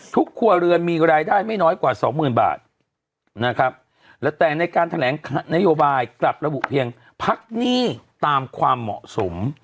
ครัวเรือนมีรายได้ไม่น้อยกว่าสองหมื่นบาทนะครับและแต่ในการแถลงนโยบายกลับระบุเพียงพักหนี้ตามความเหมาะสม